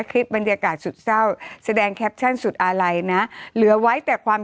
คลิปบรรยากาศสุดเศร้าแสดงแคปชั่นสุดอาลัยนะเหลือไว้แต่ความ